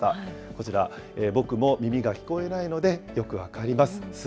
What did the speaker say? こちら、僕も耳が聞こえないので、よく分かります。